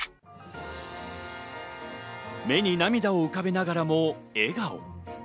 目に涙を浮かべながらも笑顔。